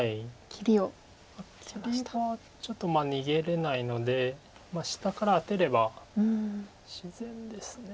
切りはちょっと逃げれないので下からアテれば自然です。